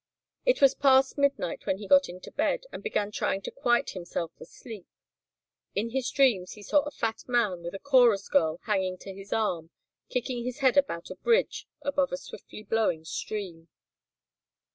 It was past midnight when he got into bed and began trying to quiet himself for sleep. In his dreams he saw a fat man with a chorus girl hanging to his arm kicking his head about a bridge above a swiftly flowing stream.